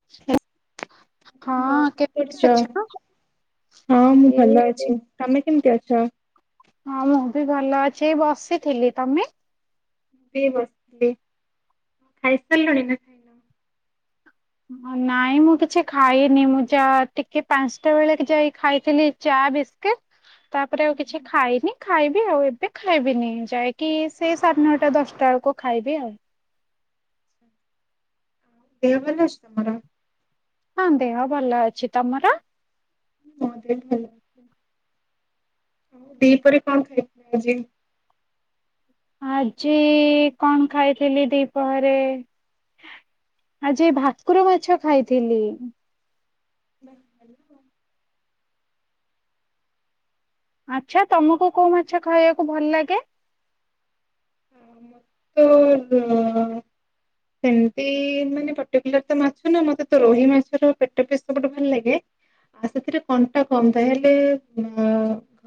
[unintelligible] କଣ ହଁ କେମିତି କରୁଛ? ଅଛ? ହଁ ମୁଁ ଏଇ ଭଲ ଅଛି! ତମେ କେମିତି ଅଛ? ହଁ ମୁଁ ବି ଭଲ ଅଛି? ବସିଥିଲି ତମେ? ଏ ବସିଥିଲି ଖାଇସାରିଲୁଣି ନା? ଖାଇନ? ନାଇଁ ମୁଁ କିଛି ଖାଇନି? ମୁଁ ଯା ଟିକେ ପାଞ୍ଚଟା ବେଳେଟିକେ ଯାଇ ଖାଇଥିଲି! ଚା! ବିସ୍କିଟ! ତାପରେ ଆଉ କିଛି ଖାଇନି! ଖାଇବି ଆଉ ଏବେ ଖାଇବିନି ଯାଇକି ସେଇ ସାଢ଼େ ନଅଟା, ଦଶଟା ବେଳକୁ! ଖାଇବି ଆଉ! ଦେହ ଭଲ ଅଛି ନା ତମର? ହଁ ଦେହ ଭଲ ଅଛି! ତମର? ହଁ ମୋ ଦେହ ଭଲ! ଆଉ ଦିପହରେ କଣ ଖାଇଥିଲ ଆଜି? ଆଜି କଣ? ଖାଇଥିଲି ଦିପହରେ? ଆଜି ଭାକୁର ମାଛ ଖାଇଥିଲି! [unintelligible] ଆଚ୍ଛା! ତମକୁ କୋଉ ମାଛ ଖାଇବାକୁ ଭଲ ଲାଗେ? ହ ହ ସେମିତି ମାନେ ପର୍ଟିକୁଲାର ତ ମାଛ ନା ମତେ ତ ରୋହି ମାଛର ପେଟ ପିସ୍ ସବୁଠୁ ଭଲ ଲାଗେ! ଆଉ ସେଥିରେ କଣ୍ଟା କମ୍ ଥାଏ! ହେଲେ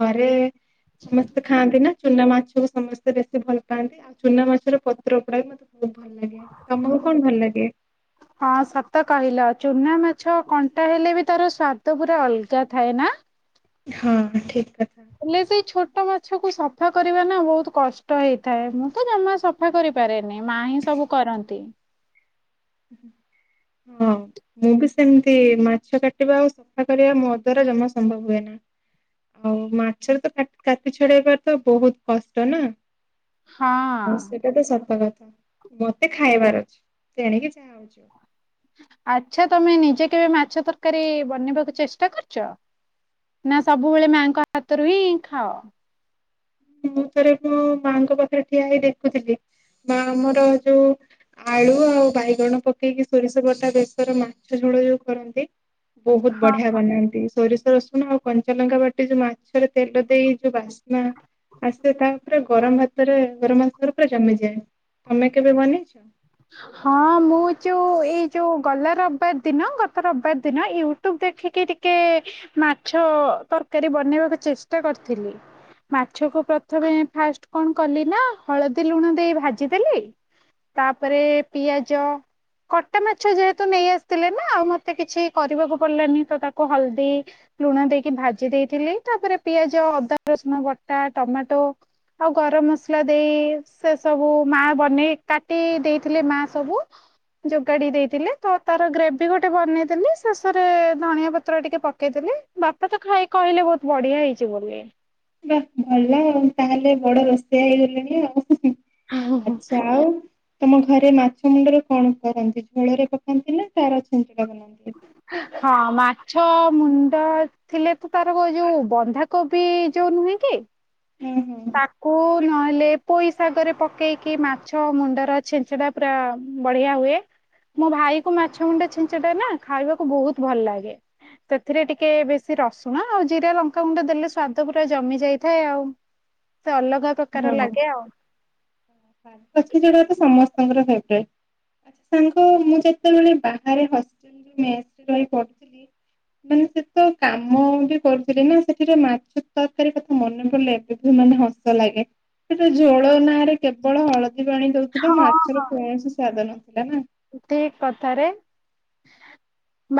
ଘରେ? ସମସ୍ତେ ଖାଆନ୍ତି ନା! ଚୁନା ମାଛକୁ ସମସ୍ତେ ବେଶୀ ଭଲ! ପାନ୍ତି ଆଉ ଚୁନା ମାଛର ପତ୍ର ପୋଡା ବି ମତେ ବହୁତ ଭଲ ଲାଗେ ତମକୁ କଣ ଭଲ ଲାଗେ ହଁ ସତ କହିଲ ଚୁନା ମାଛ କଣ୍ଟା ହେଲେ ବି ତାର ସ୍ଵାଦ ପୁରା ଅଲଗା ଥାଏ ନା ହଁ ଠିକ କଥା ହେଲେ ବି ସେଇ ଛୋଟ ମାଛ କୁ ସଫା କରିବା ନା ବହୁତ କଷ୍ଟ ହେଇଥାଏ ମୁଁ ତ ଜମା ସଫା ସଫା କରିପାରେନି ମା ହିଁ ସବୁ କରନ୍ତି। ହୁଁ। ମୁଁ ବି ସେମିତି ମାଛ କାଟିବା ଆଉ ସଫା କରିବା ମୋ ଦ୍ଵାରା ଜମା ସମ୍ଭବ ହୁଏ ନା। ଆଉ ମାଛରେ ତ କାଟି ଛଡେଇବାର ତ ବହୁତ କଷ୍ଟ ନା। ହଁ। ଆଉ ସେଟା ତ ସତ କଥା। ମତେ ଖାଇବାର ଅଛି ତଣିକି [unintelligible] ଆଚ୍ଛା ତମେ ନିଜେ କେବେ ମାଛ ତରକାରୀ ବନେଇବାକୁ ଚେଷ୍ଟା କରିଚ? ନା ସବୁବେଳେ ମାଆଙ୍କ ହାତରୁ ହିଁ ଖାଅ? ମୁଁ ଥରେ ମୁଁ ମାଙ୍କ ପାଖରେ ଠିଆ ହେଇ ଦେଖୁଥିଲି ମା ଆମର ଯୋଉ ଆଳୁ ଆଉ ବାଇଗଣ ପକେଇକି ସୋରିଷ ବଟା ବେଶର ମାଛ ଝୋଳ ଯୋଉ କରନ୍ତି? ବହୁତ ହଁ ବଢିଆ ବନାନ୍ତି। ସୋରିଷ ରଶୁଣ ଆଉ କଞ୍ଚାଲଙ୍କା ବାଟି ଯୋଉ ମାଛରେ ତେଲ ଦେଇ ଯୋଉ ବାସ୍ନା ଆସ ତା ଉପରେ ଗରମ ଭାତରେ ଗରମ ଭାତ ରେ ପୁରା ଜମିଯାଏ ତମେ କେବେ ବନେଇଚ? ହ ହଁ ମୁଁ ଯୋଉ ଏଇ ଯୋଉ ଗଲା ରବିବାର ଦିନ ଗତ ରବିବାର ଦିନ ୟୁଟ୍ୟୁବ ଦେଖିକି ଟି କେ ମାଛ ତରକାରୀ ବନେଇବାକୁ ଚେଷ୍ଟା କରିଥିଲି। ମାଛକୁ ପ୍ରଥମେ ଫାଷ୍ଟ କଣ କଲି ନା ହଳଦୀ ଲୁଣ ଦେଇ ଭାଜିଦେଲି। ତାପରେ ପିଆଜ କଟା ମାଛ ଯେହେତୁ ନେଇ ଆସିଥିଲେ ନା ଆଉ ମତେ କିଛି କରିବାକୁ ପଡିଲନି। ତ ତାକୁ ହଳଦୀ ଲୁଣ ଦେଇକି ଭାଜି ଦେଇଥିଲି ତାପରେ ପିଆଜ ଅଦା ରସୁଣ ବଟା ଟମାଟୋ ଆଉ ଗରମ ମସଲା ଦେଇ ସେ ସବୁ ମା ବନେଇ କାଟି ଦେଇଥିଲେ ମା ସବୁ ଯୋଗାଡି ଦେଇଥିଲେ ତ ତାର ଗ୍ରେଭି ଗୋଟେ ବନେଇଥିଲି ଶେଷରେ ଧନିଆ ପତ୍ର ଟିକେ ପକେଇଦେଲି। ବାପା ତ ଖାଇ କହିଲେ ବହୁତ ବଢିଆ ହେଇଛି ବୋଲି। ବା ଭଲ ଆଉ ତାହେଲେ ବଡ ରୋଷେଇଆ ହେଇଗଲେଣି ଆଉ। ହୁଁ ହୁଁ। ଆଚ୍ଛା ଆଉ ତମ ଘରେ ମାଛ ମୁଣ୍ଡରେ କଣ କରନ୍ତି ଝୋଳରେ ପକାନ୍ତି ନା ତାର ଛିେଞ୍ଚଡା ବନାନ୍ତି? ହଁ ମାଛ ମୁଣ୍ଡ ଥିଲେ ତ ତାର ଯୋଉ ବନ୍ଧାକୋବି ଯୋଉ ନୁହେଁ କି ହୁଁ ହୁଁ। ତାକୁ ନହେଲେ ପୋଇ ଶାଗରେ ପକେଇକି ମାଛ ମୁଣ୍ଡର ଛେଞ୍ଚଡ଼ା ପୁରା ବଢିଆ ହୁଏ। ମୋ ଭାଇ କୁ ମାଛ ମୁଣ୍ଡ ଛିଞ୍ଚଡା ନା ଖାଇବାକୁ ବହୁତ ଭଲ ଲାଗେ। ସେଥିରେ ଟିକେ ବେଶୀ ରସୁଣ ଆଉ ଜିରା ଲଙ୍କାଗୁଣ୍ଡ ଦେଲେ ସ୍ଵାଦ ପୁରା ଜମି ଯାଇଥାଏ ଆଉ। ସେ ଅଲଗା ପ୍ରକାର ହଁ ଲାଗେ ଆଉ। [unintelligible] ତ ସମସ୍ତଙ୍କର ଫେବରାଇଟ। ସାଙ୍ଗ ମୁଁ ଯେତେବେଳେ ବାହାରେ ହଷ୍ଟେଲ ରେ ମେସ ରେ ରହି ପଢୁିଥିଲି ହଁ ମାନେ ସେ ତ କାମ ବି କରୁଥିଲେ ନା ସେଠିରେ ମାଛ ତରକାରୀ କଥା ମନେ ପଡିଲେ ଏବେ ବି ମାନେ ହସ ଲାଗେ। ସେ ଜୋଳ ନାଁରେ କେବଳ ହଳଦୀ ପାଣି ଦଉଥିଲା ହଁ ମାଛର ହଁ କୌଣସି ସ୍ଵାଦ ନଥିଲା। ନା? ଠିକ କଥାରେ।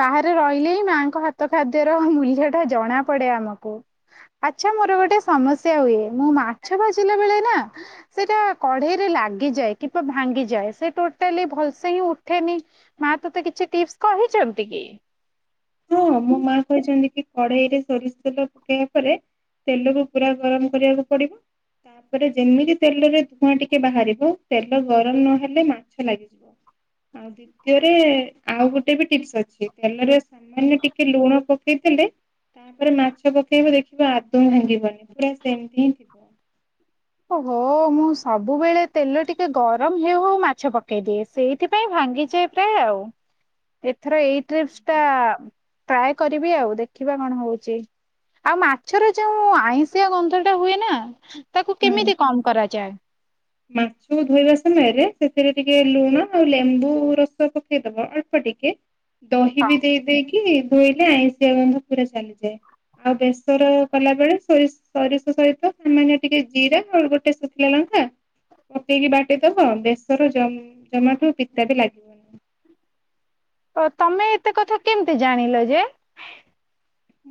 ବାହାରେ ରହିଲେ ହିଁ ମାଙ୍କ ହାତ ଖାଦ୍ୟର ମୂଲ୍ୟ ଟା ଜଣା ପଡେ ଆମକୁ। ଆଚ୍ଛା ମୋର ଗୋଟେ ସମସ୍ୟା ହୁଏ ମୁଁ ମାଛ ଭାଜିଲା ବେଳେ ନା ସେଇଟା କଢେଇରେ ଲାଗିଯାଏ କିମ୍ବା ଭାଙ୍ଗିଯାଏ ସେ ଟୋଟାଲି ଭଲସେ ସେହି ଉଠେନି ମା ତୋତେ କିଛି ଟିପ୍ସ କହିଚନ୍ତି କି? ହଁ ମୋ ମା କହିଛନ୍ତି କି କଢେଇ ରେ ସୋରିଷ ତେଲ ପକେଇବା ପରେ ତେଲକୁ ପୁରା ଗରମ କରିବାକୁ ପଡିବ। ତାପରେ ଯେମିତି ତେଲରେ ଧୂଆଁ ଟିକେ ବାହାରିବ ତେଲ ଗରମ ନହେଲେ ମାଛ ଲାଗିିବ। ଆଉ ଦ୍ଵିତୀୟରେ ଆଉ ଗୋଟେ ବି ଟିପ୍ସ୍ ଅଛି ତେଲରେ ମାନେ ଟିକେ ଲୁଣ ପ ପକେଇଦେଲେ ତାପରେ ମାଛ ପକେଇବ ଦେଖିବ ଆଦୌ ଭାଙ୍ଗିବନି ପୁରା ସେମତି ହିଁ ଥିବ। ଓହୋ ମୁଁ ସବୁବେଳେ ତେଲ ଟିକେ ଗରମ୍ ହେଉ ହଉ ମାଛ ପକେଇଦିଏ। ସେଇଥିପାଇଁ ଭାଙ୍ଗିଯାଏ ପ୍ରାୟ ଆଉ। ଏଥର ଏଇ ଟ୍ରିପ୍ସ ଟା ଟ୍ରାଏ କରିବି ଆଉ ଦେଖିବା କଣ ହଉଚି। ଆଉ ମାଛରେ ଯୋଉ ଆଇଁଷିଆ ଗନ୍ଧ ଟା ହୁଏ ନା ତାକୁ କେମିତି କମ କରାଯାଏ? ମାଛ ଧୋଇବା ସମୟରେ ସେଥିରେ ଟିକେ ଲୁଣ ଆଉ ଲେମ୍ବୁ ରସ ପକେ ପକେଇ ଦେବ ଅଳ୍ପ ଟିକେ ଦହି ହଁ। ବି ଦେଇ ଦେଇକି କି ଧୋଇଲେ ଆଇଁଷିଆ ଗନ୍ଧ ପୁରା ଚାଲିଯାଏ ଆଉ ବେସର କଲାବେଳେ ସୋରି ସରିଷ ସହିତ ସାମାନ୍ୟ ଟିକେ ଜିରା ଆଉ ଗୋଟେ ଶୁଖିଲା ଲଙ୍କା ପକେଇକି ବାଟିଦବ ବେଶର ଜ ଜମାଟୁ ପିତା ବି ଲାଗି ଓ ତମେ ଏତେ କଥା କେମିତି ଜାଣିଲ ଯେ?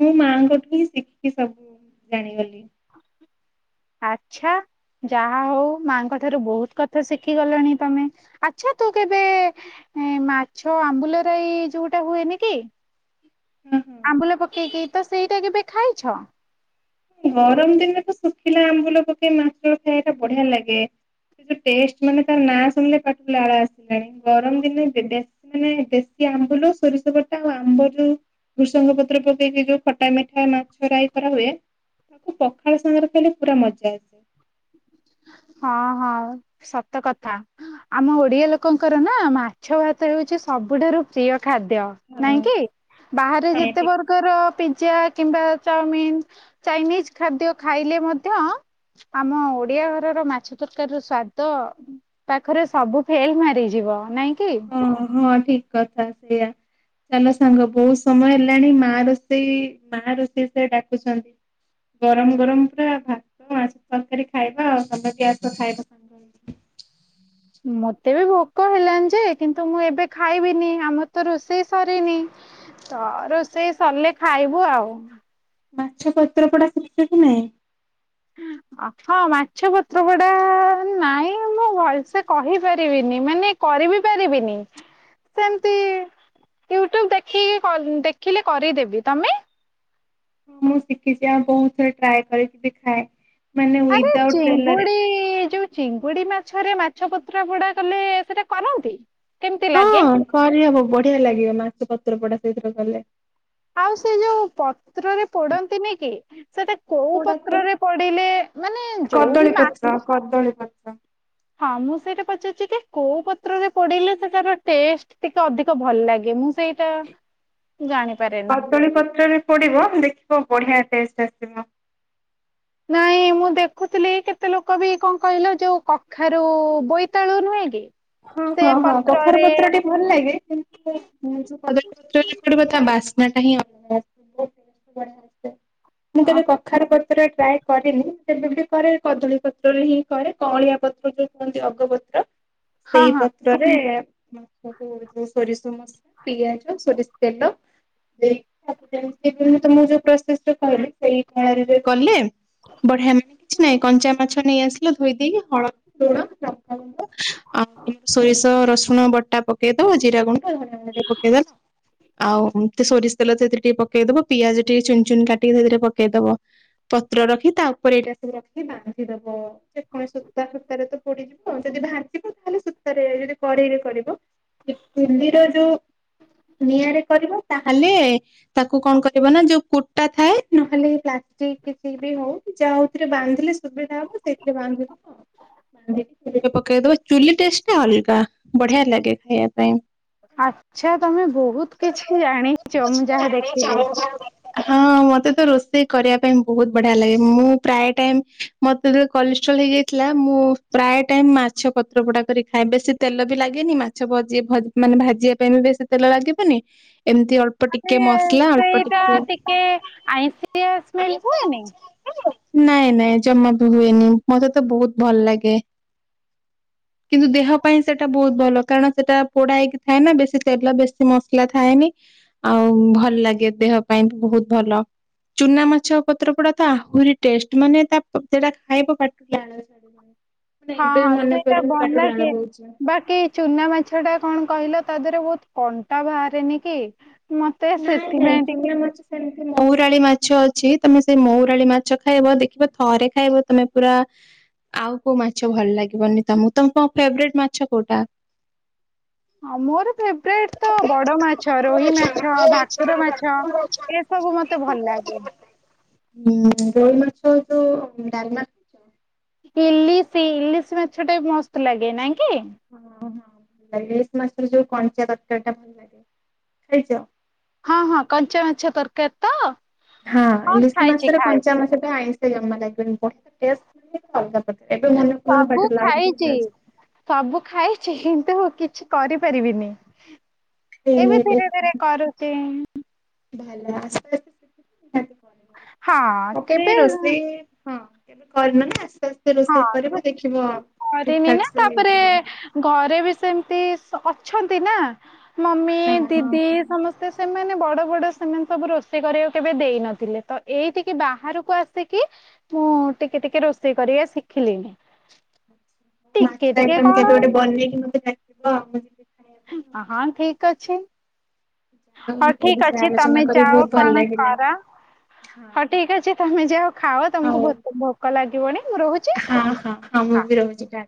ମୁଁ ମାଆଙ୍କଠୁ ହିଁ ଶିଖିକି ସବୁ ଜାଣିଗଲି। ଆଛା। ଯାହା ହଉ ମାଙ୍କ ଠାରୁ ବହୁତ କଥା ଶିଖି ଗଲଣି ତମେ ଆଚ୍ଛା ତୁ କେବେ ଏଁ ମାଛ ଆମ୍ବୁଲ ରାଇ ଯୋଉଟା ହୁଏନି କି ହଁ ହଁ ଆମ୍ବୁଲ ପକେଇକି ତ ସେଇଟା କେବେ ଖାଇଛ? ଗରମ ଦିନରେ ତ ଶୁଖିଲା ଆମ୍ବୁଲ ପକେଇ ମାଛ ଖାଇବା ଟା ବଢିଆ ଲାଗେ। ତା ଟେଷ୍ଟ୍ ମାନେ ତା ନାଁ ଶୁଣିଲେ ପାଟି ରୁ ଲାଳ ଆସିଲାଣି ଗରମ ଦିନରେ ଦେବେ ମାନେ ଦେଶୀ ଆମ୍ବୁଲ ସୋରିଷ ବଟା ଆଉ ଆମ୍ବ ଯୋଉ ଭୃଷଙ୍ଗ ପତ୍ର ପକେଇକି ଯୋଉ ଖଟା ମିଠା ମାଛ ରାଇ କରା ହୁଏ ତାକୁ ପଖାଳ ସାଙ୍ଗରେ ଖାଇଲେ ପୁରା ମଜା ଆସେ। ହଁ ହଁ ସତ କଥା। ଆମ ଓଡିଆ ଲୋକଙ୍କର ନା ମାଛ ଭାତ ହଉଚି ସବୁଠାରୁ ପ୍ରିୟ ଖାଦ୍ୟ। ହଁ ନାଇଁ କି ବାହାରେ ହଁ ଯେତେ ଠିକ କଥା। ବର୍ଗର ପିଜିା କିମ୍ବା ଚାଉମିିନ୍ ଚାଇନିସ୍ ଖାଦ୍ୟ ଖାଇଲେ ମଧ୍ୟ ଆମ ଓ ଓଡିଆ ଘରର ମାଛ ତରକାରୀ ସ୍ଵାଦ ପାଖରେ ସବୁ ଫେଲ୍ ମାରିଯିବ ନାଇଁ କି? ହଁ ହଁ ଠିକ୍ କଥା ସେଇୟା। ଚାଲ ସାଙ୍ଗ ବହୁତ ସମୟ ହେଲାଣି ମା ର ସେଇ ବାହାର ରୋଷେଇ ଡାକୁଚନ୍ତି। ଗରମ୍ ଗରମ୍ ପୁରା ଭାତ ମାଛ ତରକାରୀ ଖାଇବା ଆଉ ତମେ ବି ଆସ ଖାଇବ। ମତେ ବି ଭୋକ ହେଲାଣି ଯେ କିନ୍ତୁ ମୁଁ ଏବେ ଖାଇବିନି ଆମର୍ ତ ରୋଷେଇ ସରିନି। ତ ରୋଷେଇ ସରିଲେ ଖାଇବୁ ଆଉ। ମାଛ ପତ୍ର ପୋଡା ଶିଖିଚ କି ନାହିଁ? ଅ ହଁ ମାଛ ପତ୍ର ପୋଡା ନାଇଁ ମୁଁ ଭଲସେ କହିପାରିବିନି ମାନେ କରିିବି ପାରିବିନି। ସେମିତି ୟୁଟ୍ୟୁବ୍ ଦେଖିକି କରି ଦେଖିଲେ କରିଦେବି ତମେ? ହଁ ମୁଁ ଶିଖିଚି ଆଉ ବହୁତ ଟ୍ରାଏ କରିକି କି ବି ଖାଏ। ମାନେ ଆରେ ୱିଦାଉଟ୍ ତେଲରେ। ଚିଙ୍ଗୁଡ଼ି ଯୋଉ ଚିଙ୍ଗୁଡି ମାଛରେ ମାଛ ପତ୍ରପୋଡ଼ା କଲେ ସେଟା କରନ୍ତି କେମିତି ଲାଗେ? କରି ହେବ ବଢିଆ ଲାଗିବ ମାଛ୍ ପତ୍ର ପୋଡା ସେଇଥିରେ କଲେ। ଆଉ ସେ ଯୋଉ ପତ୍ରରେ ପୋଡନ୍ତିନିକି? ସେଟା କୋଉ କୋଉଟା କୁହନି ପତ୍ରରେ ପୋଡିଲେ ମାନେ ଯୋଉ ବି ମା ହଁ କଦଳୀ ପତ୍ର। ହଁ ମୁଁ ସେଇଟା ପଚାରୁଚିକି କୋଉ ପତ୍ରରେ ପଡିଲେ ସେଟାର ଟେଷ୍ଟ୍? ଟିକେ ଅଧିକ ଭଲ ଲାଗେ ମୁଁ ସେଇ କଦଳୀ ପତ୍ରରେ ପୋଡିବ ଦେଖିବ ବଢିଆ ଟେଷ୍ଟ ଆସିବ। ନାଇଁ ମୁଁ ଦେଖୁଥିଲି କେତେ ଲୋକ ବି କଣ କହିଲ ଯୋଉ କଖାରୁ ବୋଇତାଳୁ ନୁହେଁ କି? ସେ ହଁ-ହଁ-ହଁ କଖାରୁ ପତ୍ରରେ ପତ୍ରଟେ ଭଲ ଲାଗେ କିନ୍ତୁ ମୁଁ ଯୋଉ କଦଳୀପତ୍ରରେ ପୋଡିବ ତା ବାସ୍ନାଟା ହିଁ ଅଲଗା ଆସିବ [inaudible] ମୁଁ ଅ କେବେ କଖାରୁ ପ ପତ୍ରରେ ଟ୍ରାଏ କରେନି ଯେବେ ବି କରେ କଦଳୀ ପତ୍ରରେ ହିଁ କରେ କଅଁଳିଆ ପତ୍ର ଯୋଉ କୁହନ୍ତି ଅଗପତ୍ର। ହଁ ସେଇ ହଁ ପତ୍ରରେ [inaudible] ଯୋଉ ସୋରିଷ ମସଲା ପିଆଜ ସୋରିଷ ତେଲ। [inaudible] ଯେମିତି ମୁଁ ତମକୁ ଯୋଉ ପ୍ରସେସ୍ ଟା କହିଲି ସେଇ ପ୍ରଣାଳୀରେ କଲେ ବଢିଆ ‌ [inaudible] ନାଇଁ କଞ୍ଚା ମାଛ ନେଇ ଆସିଲ ଧୋଇ ଦେଇକି ହଳଦୀ, ଲୁଣ, ଲଙ୍କାଗୁଣ୍ଡ ଆଉ ସୋରିଷ ରସୁଣ ବଟା ପକେଇଦବ ଜିରା ଗୁଣ୍ଡ, ଧନିଆ ଗୁଣ୍ଡ ଟିକେ ପକେଇଦଲ। ଆଉ ଏମିତି ସୋରିଷ ତେଲ ସେଥିରେ ଟିକେ ପକେଇଦବ ପିଆଜ ଟିକେ ଚୂନ୍ ଚୁନ୍ କାଟିକି ସେଥିରେ ପକେଇଦବ। ପତ୍ର ରଖି ତା ଉପରେ ଏଇଟା ସବୁ ରଖିକି ବାନ୍ଧିଦବ। ସେ ପୁଣି ସୂତା ସୂତାରେ ତ ପୋଡିଯିବ ଆଉ ଯଦି ଭାଜିବ ତାହେଲେ ସୂତାରେ ଯଦି କଡେଇରେ କରିବ ସେ ଚୁଲିରେ ଯୋଉ ନିଆଁରେ କରିବ ତାହେଲେ ତାକୁ କଣ କରିବ ନା ଯୋଉ କୁଟା ଥାଏ ନହେଲେ ପ୍ଲାଷ୍ଟିକ କିଛି ବି ହଉ ଯାହାଉଥିରେ ବାନ୍ଧିଲେ ସୁବିଧା ହବ ସେଥିରେ ବାନ୍ଧି [inaudible] ବାନ୍ଧିକି ଚୁଲିରେ ପକେଇଦବ, ଚୁଲି ଟେଷ୍ଟଟା ଅଲଗା ବଢିଆ ଲାଗେ ଖାଇବା ପାଇଁ। ଆଚ୍ଛା ତମେ ବହୁତ କିଛି ଜାଣିଛ ମୁଁ ଯାହା ଦେଖିଲି। ହଁ ମତେ ତ ରୋଷେଇ କରିବା ପାଇଁ ବହୁତ ବଢିଆ ଲାଗେ ମୁଁ ପ୍ରାୟ ଟାଇମ୍ ମତେ ଯେତେବେଳେ କଲେଷ୍ଟ୍ରଲ୍ ହେଇଯାଇଥିଲା ମୁଁ ପ୍ରାୟ ଟାଇମ୍ ମାଛ ପତ୍ର ପୋଡା କରି ଖାଏ ବେଶୀ ତେଲ ବି ଲାଗେନି ମାଛ ଭଜି ମାନେ ଭାଜିବା ପାଇଁ ବି ବେଶୀ ତେଲ ଲାଗିବନି। ଏମିତି ଅଳ୍ ଅଳ୍ପ ଟିକେ ମାନେ ମସଲା ଅଳ୍ପ ଟିକେ ଆଇଁଷିଆ ସ୍ମେଲ ହୁଏନି ନାଇଁ-ନାଇଁ ଜମା ବି ହୁଏନି ମତେ ତ ବହୁତ ଭଲ ଲାଗେ। କିନ୍ତୁ ଦେହ ପାଇଁ ସେଟା ବହୁତ ଭଲ କାରଣ ସେଟା ପୋଡା ହେଇକି ଥାଏ ନା ବେଶୀ ତେଲ ବେଶୀ ମସଲା ଥାଏନି। ଆଉ ଭଲ ଲାଗେ ଦେହ ପାଇଁ ବି ବହୁତ ଭଲ। ଚୁନା ମାଛ ପତ୍ର ପୋଡା ତ ଆହୁରି ଟେଷ୍ଟ ମାନେ ତା ସେଟା ଖାଇବ ପାଟିରୁ ଲାଳ ଛାଡିବନି [inaudible] ମାନେ ଏବେ ମନେ ସେଟା ପଡିଲେ ଭଲ ପାଟିରୁ ଲାଳ ଲାଗେ। ବୋହୁଛି ବାକି ଚୁନା ମାଛଟା କଣ କହିଲ ତା ଦେହରେ ବହୁତ କଣ୍ଟା ବାହାରେନି କି? ମତେ ସେଥିପାଇଁ ଟିକେ ଯେମିତି ମହୁରାଳି ମାଛ ଅଛି ତମେ ସେଇ ମହୁରାଳି ମାଛ ଖାଇବ ଦେଖିବ ଥରେ ଖାଇବ ତମେ ପୁରା ଆଉ କୋଉ ମାଛ ଭଲ ଲାଗିବନି ତମକୁ ତମ ଫେବରାଇଟ୍ ମାଛ କୋଉଟା? ହଁ ମୋର ଫେବରାଇଟ୍ ତ ବଡ ମାଛ ରୋହି ମାଛ। ଭାକୁର ମାଛ ଏ ସବୁ ମତେ ଭଲ ଲାଗେ। ହଁ ରୋଇ ମାଛ ଯୋଉ ଡାଲମା ଖାଇଛ? ଇଲିଶି ଇଲିଶି ମାଛ ଟା ମସ୍ତ ଲାଗେ ନା କି? ଓଁ ହଁ ଭଲ ଲାଗେ ଏଶ ମାଛରେ ଯୋଉ କଞ୍ଚା ତରକାରିଟା ଭଲ ଲାଗେ ଖାଇଛ? ହଁ ହଁ କଞ୍ଚା ମାଛ ତରକାରୀ ତ? ହଁ ଇଲିଶି ଖାଇଛି ମାସରେ ଖାଇଛି କଞ୍ଚା ମାସ ପାଇଁ ଆଇଁଷ ଜମା ଲାଗିବନି ବ। ଏବେ ମନେପଡ଼ିଗଲା ସବୁ ପାଟିରୁ ଲାଳ ଖାଇଛି। ବହାରିଯାଉଛି। ସବୁ ଖାଇଛି କିନ୍ତୁ କିଛି କରିପାରିବିନି। ଏବେ ଏଇରେ ଧୀରେ ଧୀରେ କରୁଛି। ଭଲ ଆସ୍ତେ ଆସ୍ତେ ନିହାତି ହଁ କିବ ତାପରେ କେବେ ରୋଷେଇ ହଁ। ଏବେ କରିନ ନା ଆସ୍ତେ ଆସ୍ତେ ହଁ। ରୋଷେଇ କରିବ ଦେଖିବ ଠିକ କରିନି ନା ଠାକ ସେ ତାପରେ ହେଇଯିବ। ଘରେ ବି ସେମିତି ଅଛନ୍ତି ନା ମମି ହଁ ହଁ ଦି ସମସ୍ତେ ସେମାନେ ବଡ ବଡ ସେମାନେ ସବୁ ରୋଷେଇ କରିବାକୁ କେବେ ଦେଇନଥିଲେ ତ ଏଇତିକି ବାହାରକୁ ଆସିକି ମୁଁ ଟିକେ ଟିକେ ରୋଷେଇ କରିବା ଶିଖିଲିଣି? ଟିକେ ମାଛ ଟିକେ ଆମ କେବେ କଣ ଗୋଟେ ବନେଇକି ମତେ ଡାକିବ ଆଉ ଖାଇବା ପାଇଁ ଆଉ। ହଁ ଠିକ ଅଛି। ହଁ ଏ ଠିକ ବିଷୟରେ ଅଛି ତମେ ଆଲୋଚନା କରି ଯାଅ ବହୁତ ଭଲ କଣ ଲାଗିଲା। କର। ହଁ ଠିକ ଅଛି ତମେ ଯାଅ ଖାଅ ହଉ ତମକୁ ଭୋକ ଲାଗିବନି ମୁଁ ରହୁଛି। ହଁ ହଁ ହଁ ମୁଁ ବି ରହୁଛି କା